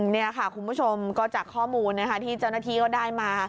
นี่ค่ะคุณผู้ชมก็จากข้อมูลที่เจ้าหน้าที่ก็ได้มา